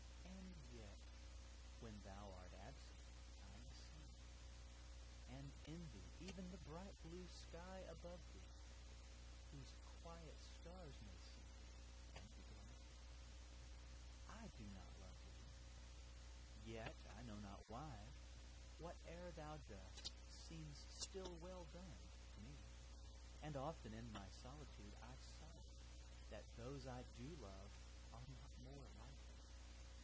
And yet when thou art absent I am sad; And envy even the bright blue sky above thee, Whose quiet stars may see thee and be glad. I do not love thee!—yet, I know not why, 5 Whate'er thou dost seems still well done, to me: And often in my solitude I sigh That those I do love are not more like thee!